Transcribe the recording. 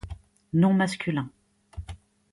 Nom masculin.